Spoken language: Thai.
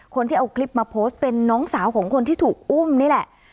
คนที่เอาคลิปมาโพสต์เป็นน้องสาวของคนที่ถูกอุ้มนี่แหละ